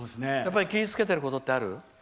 やっぱり気をつけてることってある？